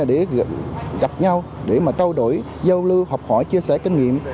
để gặp nhau để mà trao đổi giao lưu học hỏi chia sẻ kinh nghiệm